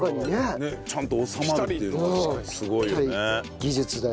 ちゃんと収まるっていうのがすごいよね。